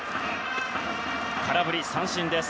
空振り三振です。